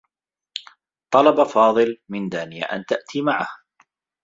طلب فاضل من دانية أن تأتي معه.